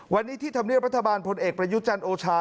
วันนี้ที่ธรรมเนียบรัฐบาลพลเอกประยุจันทร์โอชา